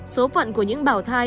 số phận của những bảo thai